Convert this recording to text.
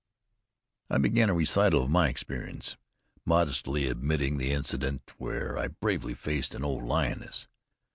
I began a recital of my experience, modestly omitting the incident where I bravely faced an old lioness.